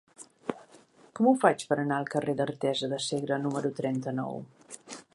Com ho faig per anar al carrer d'Artesa de Segre número trenta-nou?